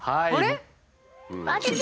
あれ？